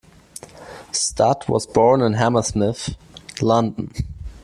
Studt was born in Hammersmith, London.